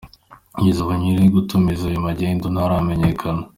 Kugeza ubu nyir’ugutumiza iyo magendu ntaramenyekana.